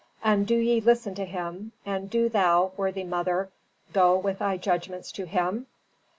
And do ye listen to him, and do thou, worthy mother, go with thy judgments to him?"